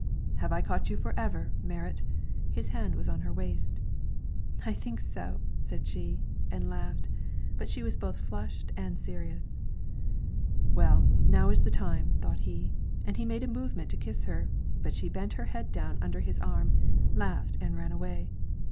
"Have I caught you forever, Merit?" His hand was on her waist. "I think so," said she, and laughed; but she was both flushed and serious. "Well, now is the time," thought he, and he made a movement to kiss her; but she bent her head down under his arm, laughed, and ran away.